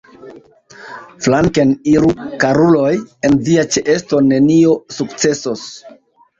Flanken iru, karuloj, en via ĉeesto nenio sukcesos!